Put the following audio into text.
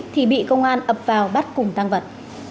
thì bị công an ập vào bắt cùng tăng vật